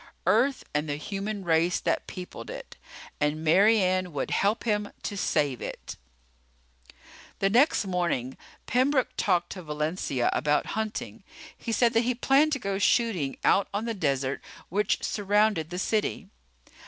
Earth and the human race that peopled it. And Mary Ann would help him to save it. The next morning Pembroke talked to Valencia about hunting. He said that he planned to go shooting out on the desert which surrounded the city.